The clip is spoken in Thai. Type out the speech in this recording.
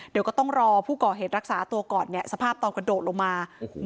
เดี๋ยวก็ต้องรอผู้ก่อเหตุรักษาตัวก่อนเนี่ยสภาพตอนกระโดดลงมา